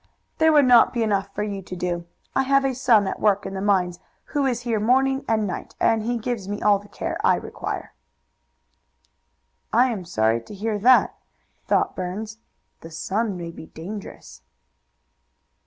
"There would not be enough for you to do. I have a son at work in the mines who is here morning and night, and he gives me all the care I require." "I am sorry to hear that," thought Burns. "The son may be dangerous."